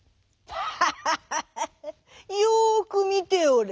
「ハハハハハハ！よくみておれ」。